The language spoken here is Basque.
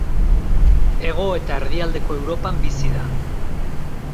Hego eta erdialdeko Europan bizi da.